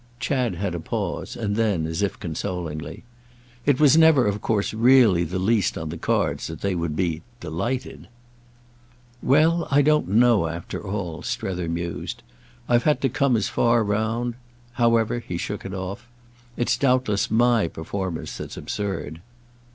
Chad had a pause, and then as if consolingly: "It was never of course really the least on the cards that they would be 'delighted.'" "Well, I don't know, after all," Strether mused. "I've had to come as far round. However"—he shook it off—"it's doubtless my performance that's absurd."